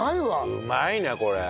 うまいねこれ！